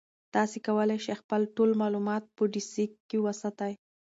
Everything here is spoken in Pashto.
تاسي کولای شئ خپل ټول معلومات په ډیسک کې وساتئ.